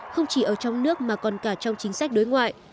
không chỉ ở trong nước mà còn cả trong chính sách đối ngoại